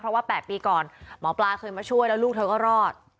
เพราะว่า๘ปีก่อนหมอปลาเคยมาช่วยแล้วลูกเธอก็รอด